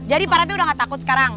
jadi para itt udah gak takut sekarang